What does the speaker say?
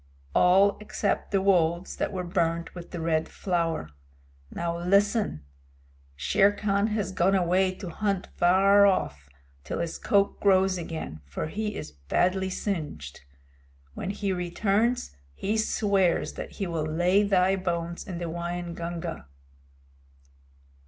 "All except the wolves that were burned with the Red Flower. Now, listen. Shere Khan has gone away to hunt far off till his coat grows again, for he is badly singed. When he returns he swears that he will lay thy bones in the Waingunga."